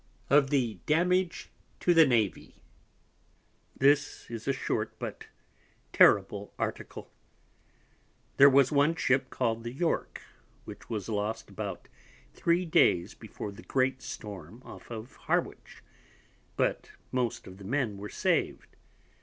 Of the Damage to the Navy This is a short but terrible Article, there was one Ship called the York, which was lost about 3 days before the great Storm off of Harwich, but most of the Men were saved.